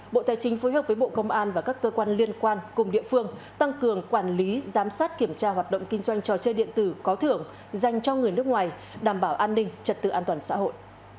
bộ tài chính phối hợp với bộ công an và các cơ quan liên quan cùng địa phương tăng cường quản lý giám sát kiểm tra hoạt động kinh doanh trò chơi điện tử có thưởng dành cho người nước ngoài đảm bảo an ninh trật tự an toàn xã hội